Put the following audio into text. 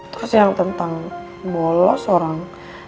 terus yang tentang bolos orang